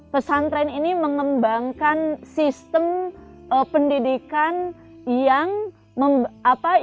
pesantren ini mengembangkan sistem pendidikan yang memberikan kurikulum anak anak santri